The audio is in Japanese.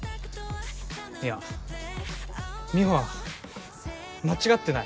いや美帆は間違ってない。